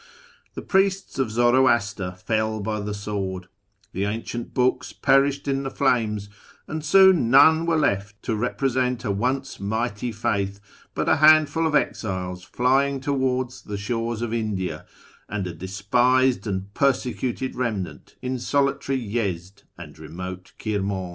The priests of Zoroaster fell by the sword ; the ancient books perished in the flames ; and soon none were left to represent a once mighty faith but a handful of exiles flying towards the shores of India, and a despised and persecuted remnant in solitary Yezd and remote Kirman.